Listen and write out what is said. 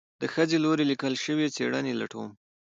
د ښځې لوري ليکل شوي څېړنې لټوم